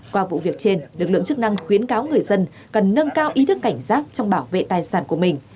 qua vụ việc trên lực lượng chức năng khuyến cáo người dân cần nâng cao ý thức cảnh giác trong bảo vệ tài sản của mình